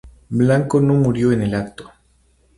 Blanco no murió en el acto.